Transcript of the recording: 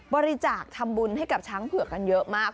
บริจาคทำบุญให้กับช้างเผือกกันเยอะมาก